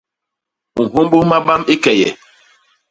U nhômbôs mabam i key e?